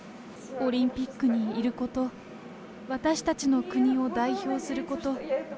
オリンピックにいること、私たちの国を代表すること。